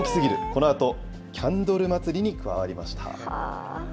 このあと、キャンドル祭りに加わりました。